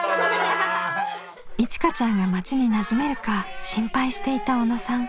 いちかちゃんが町になじめるか心配していた小野さん。